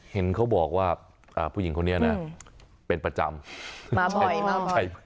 เห็นเขาบอกว่าผู้หญิงคนนี้นะเป็นประจำมาบ่อยมาบ่อย